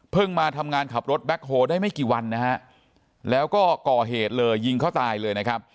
มาทำงานขับรถแบ็คโฮได้ไม่กี่วันนะฮะแล้วก็ก่อเหตุเลยยิงเขาตายเลยนะครับ